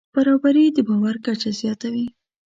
برابري د باور کچه زیاتوي.